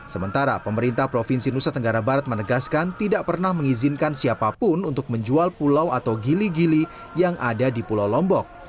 sementara pemerintah provinsi nusa tenggara barat menegaskan tidak pernah mengizinkan siapapun untuk menjual pulau atau gili gili yang ada di pulau lombok